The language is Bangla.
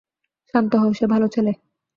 শান্ত হও, সে ভালো ছেলে।